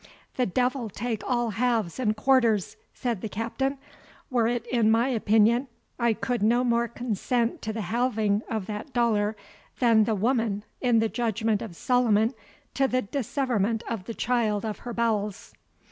"The devil take all halves and quarters!" said the Captain; "were it in my option, I could no more consent to the halving of that dollar, than the woman in the Judgment of Solomon to the disseverment of the child of her bowels."